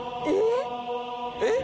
えっ？